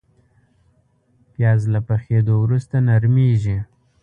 پیاز له پخېدو وروسته نرمېږي